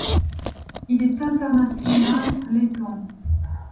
Il est international letton.